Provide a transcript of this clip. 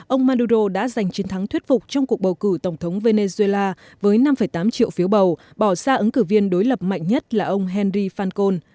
ông maduro đã giành chiến thắng thuyết phục trong cuộc bầu cử tổng thống venezuela với năm tám triệu phiếu bầu bỏ xa ứng cử viên đối lập mạnh nhất là ông henry fankon